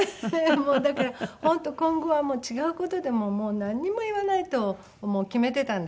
もうだから本当今後は違う事でももうなんにも言わないと決めてたんですけど。